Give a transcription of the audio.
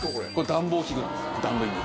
暖房器具なんです。